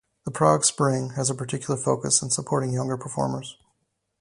The Prague Spring has a particular focus in supporting younger performers.